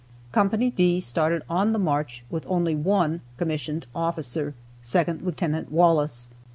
Co. D started on the march with only one commissioned officer, Second Lieutenant Wallace.